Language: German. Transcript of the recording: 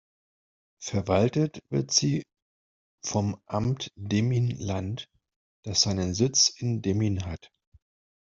Verwaltet wird sie vom Amt Demmin-Land, das seinen Sitz in Demmin hat.